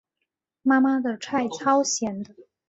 妈妈的菜超咸的